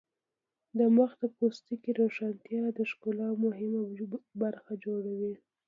د مخ د پوستکي روښانتیا د ښکلا مهمه برخه جوړوي.